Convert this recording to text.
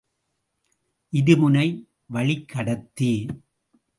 இருமுனை வழிக் கடத்தி.